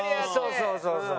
そうそうそうそう。